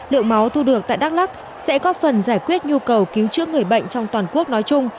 lượng máu thu được tại đắk lắc sẽ có phần giải quyết nhu cầu cứu trước người bệnh trong toàn quốc nói chung